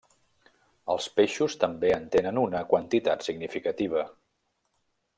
Els peixos també en tenen una quantitat significativa.